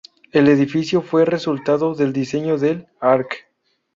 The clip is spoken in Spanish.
El edificio fue resultado del diseño del Arq.